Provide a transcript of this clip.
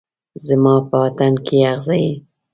زما په وطن کې اغزي